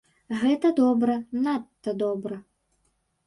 Гэта добра, надта добра!